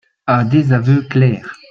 Un désaveu clair